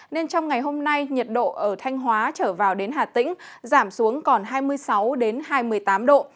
nên trong ngày hôm nay nhiệt độ ở thanh hóa trở vào đến hà tĩnh giảm xuống còn hai mươi sáu hai mươi tám độ